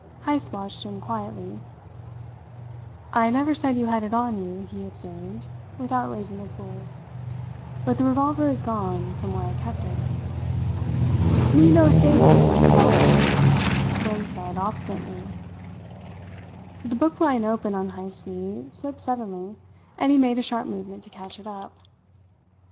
Heyst watched him quietly. "I never said you had it on you," he observed, without raising his voice; "but the revolver is gone from where I kept it." "Me no savee levolvel," Wang said obstinately. The book lying open on Heyst's knee slipped suddenly and he made a sharp movement to catch it up.